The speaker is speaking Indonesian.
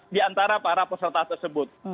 di antara para peserta tersebut